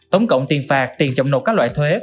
tổng cộng tiền phạt tiền chậm nộp các loại thuế